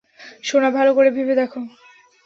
সোনা, ভালো করে ভেবে দেখো।